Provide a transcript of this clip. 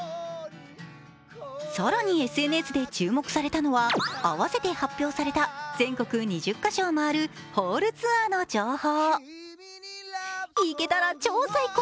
更にＳＮＳで注目されたのは併せて発表された全国２０か所を回るホールツアーの情報。